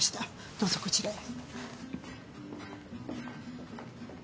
どうぞこちらへ。